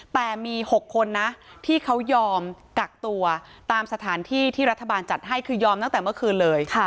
แต่มี๖คนนะที่เขายอมกักตัวตามสถานที่ที่รัฐบาลจัดให้คือยอมตั้งแต่เมื่อคืนเลย